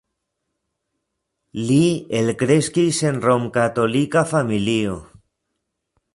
Li elkreskis en rom-katolika familio.